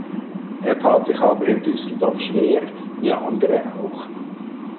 Er tat sich aber in Düsseldorf schwer wie andere auch.